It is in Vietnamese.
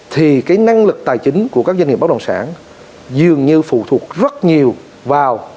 thì cái năng lực tài chính của các doanh nghiệp bất động sản dường như phụ thuộc rất nhiều vào